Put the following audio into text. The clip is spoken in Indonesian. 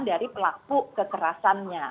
dari pelaku kekerasannya